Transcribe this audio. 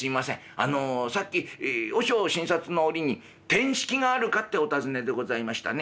あのさっき和尚診察の折に『てんしきがあるか？』ってお尋ねでございましたね」。